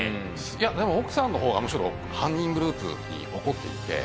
いやでも奥さんの方がむしろ犯人グループに怒っていて。